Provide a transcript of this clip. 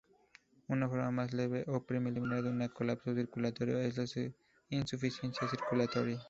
Una forma más leve o preliminar de un colapso circulatorio es la insuficiencia circulatoria.